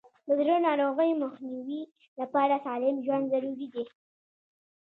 د زړه ناروغیو مخنیوي لپاره سالم ژوند ضروري دی.